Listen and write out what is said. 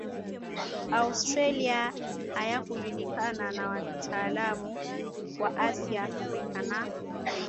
Australia hayakujulikana na wataalamu wa Asia Afrika na